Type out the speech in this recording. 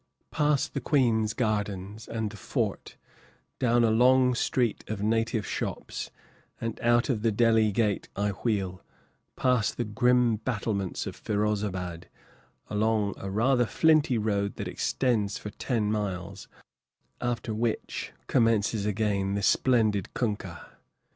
Past the Queen's Gardens and the fort, down a long street of native shops, and out of the Delhi gate I wheel, past the grim battlements of Firozabad, along a rather flinty road that extends for ten miles, after which commences again the splendid kunkah.